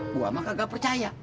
gue mah kagak percaya